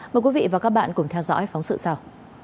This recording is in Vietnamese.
mời quý vị và các bạn cùng theo dõi phóng sự sau